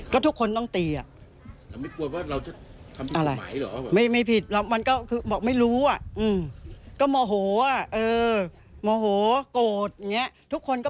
แล้วเราไม่กลัวเหรอที่ว่า